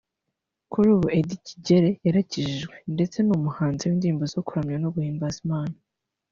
Kuri ubu Eddie Kigere yarakijijwe ndetse ni n'umuhanzi w’indirimbo zo kuramya no guhimbaza Imana